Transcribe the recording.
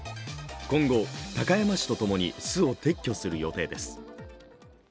今後、高山市と共に巣を撤去する予定です。